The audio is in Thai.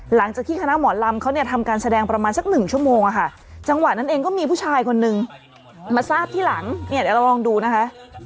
หลังจากที่คณะหมอลำเขาเนี่ยทำการแสดงประมาณสักหนึ่งชั่วโมงอะค่ะจังหวะนั้นเองก็มีผู้ชายคนนึงมาทราบที่หลังเนี่ยเดี๋ยวเราลองดูนะคะ